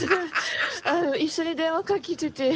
一緒に電話かけてて。